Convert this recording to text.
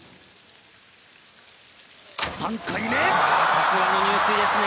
さすがの入水ですね。